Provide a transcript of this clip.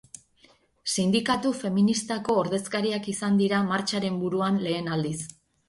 Sindikatu feministako ordezkariak izan dira martxaren buruan lehen aldiz.